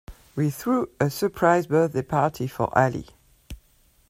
We threw a surprise birthday party for Ali.